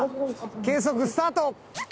計測スタート！